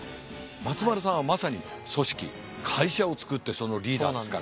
松丸さんはまさに組織会社を作ってそのリーダーですから。